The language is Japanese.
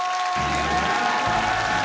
イエーイ！